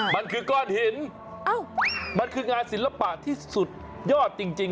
มันคือก้อนหินมันคืองานศิลปะที่สุดยอดจริง